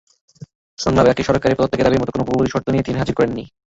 সংলাপের আগে সরকারের পদত্যাগের দাবির মতো কোনো পূর্বশর্ত তিনি হাজির করেননি।